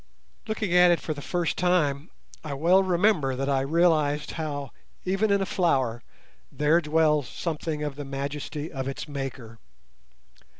Looking at it for the first time I well remember that I realised how even in a flower there dwells something of the majesty of its Maker.